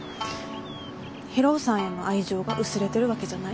博夫さんへの愛情が薄れてるわけじゃない。